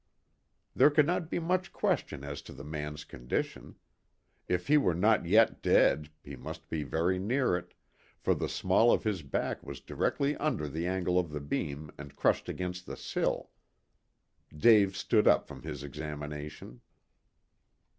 There could not be much question as to the man's condition. If he were not yet dead, he must be very near it, for the small of his back was directly under the angle of the beam and crushed against the sill. Dave stood up from his examination.